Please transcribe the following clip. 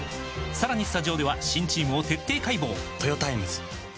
さらにスタジオでは新チームを徹底解剖！